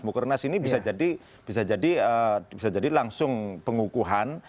mukernas ini bisa jadi langsung pengukuhan